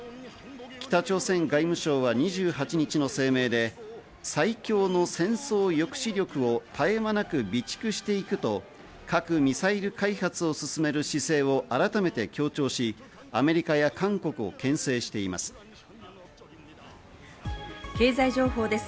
北朝鮮外務省は２８日の声明で、最強の戦争抑止力を絶え間なく備蓄していくと核・ミサイル開発を進める姿勢を改めて強調し、アメリカや韓国を経済情報です。